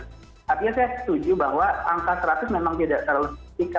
artinya saya setuju bahwa angka seratus memang tidak terlalu signifikan